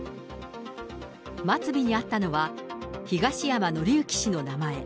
末尾にあったのは、東山紀之氏の名前。